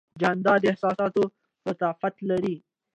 جانداد د احساساتو لطافت لري.